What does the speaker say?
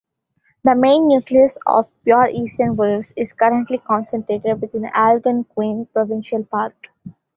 The main nucleus of pure eastern wolves is currently concentrated within Algonquin Provincial Park.